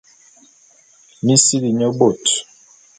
Mi sili nye bôt.